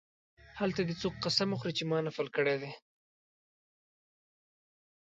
هلته دې څوک قسم وخوري چې ما نفل کړی دی.